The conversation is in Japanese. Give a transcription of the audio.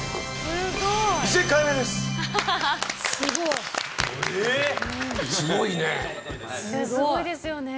すごいですよね。